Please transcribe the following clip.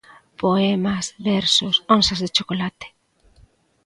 Poemas, versos, onzas de chocolate.